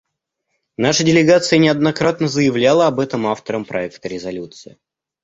Наша делегация неоднократно заявляла об этом авторам проекта резолюции.